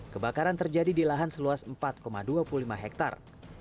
kebakaran terjadi di lahan seluas empat dua puluh lima hektare